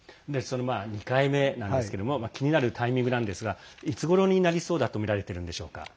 ２回目なんですけれども気になるタイミングなんですがいつごろになりそうだとみられているんでしょうか。